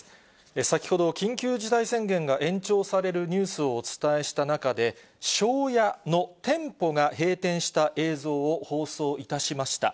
先ほど緊急事態宣言が延長されるニュースをお伝えした中で、庄屋の店舗が閉店した映像を放送いたしました。